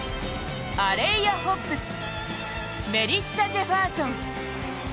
アレイア・ホッブス、メリッサ・ジェファーソン。